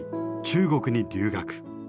中国に留学。